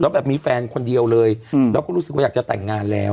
แบบมีแฟนคนเดียวเลยแล้วก็รู้สึกว่าอยากจะแต่งงานแล้ว